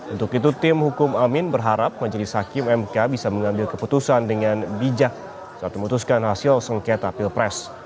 untuk itu tim hukum amin berharap majelis hakim mk bisa mengambil keputusan dengan bijak saat memutuskan hasil sengketa pilpres